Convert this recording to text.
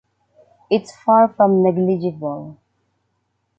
It’s far from negligible.